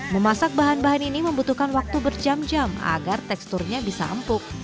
memasak bahan bahan ini membutuhkan waktu berjam jam agar teksturnya bisa empuk